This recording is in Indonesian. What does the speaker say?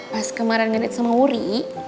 pas kemarin ngelit sama wuri